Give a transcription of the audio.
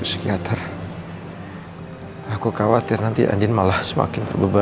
psikiater aku khawatir nanti adin malah semakin terbebani